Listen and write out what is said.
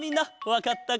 わかった！